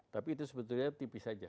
tapi itu sebetulnya tipis saja